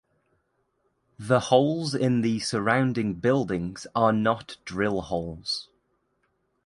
The holes in the surrounding buildings are not drill holes.